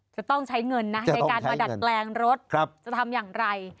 จะต้องใช้เงินนะในการมาดัดแปลงรถจะทำอย่างไร